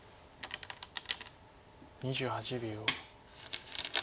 ２８秒。